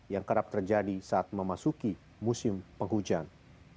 yang kerap terjadi saat memasuki musim penghujan